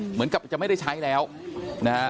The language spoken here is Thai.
เหมือนกับจะไม่ได้ใช้แล้วนะฮะ